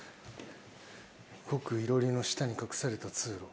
動くいろりの下に隠された通路。